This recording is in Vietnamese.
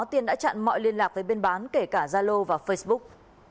tiên đã chặn mọi liên lạc với bên bán kể cả gia lô và facebook